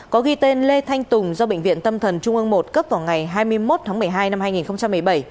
có ghi tên lê thanh tùng do bệnh viện tâm thần trung ương một cấp vào ngày hai mươi một tháng một mươi hai năm hai nghìn một mươi bảy